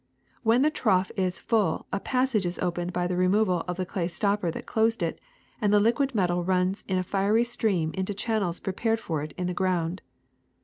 When the trough is full a passage is opened by the removal of the clay stopper that closed it, and the liquid metal runs in a fiery stream into channels pre pared for it in the ground.